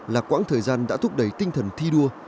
là quãng thời gian đã thúc đẩy tinh thần thi đua